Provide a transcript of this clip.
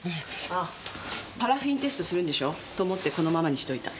ああパラフィンテストするんでしょ？と思ってこのままにしといた。